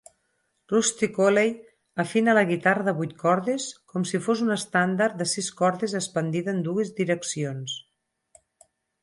Rusty Cooley afina la guitarra de vuit cordes com si fos una estàndard de sis cordes expandida en dues direccions.